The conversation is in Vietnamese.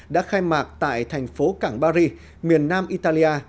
đã khai mạc tại thành phố cảng bari miền nam italia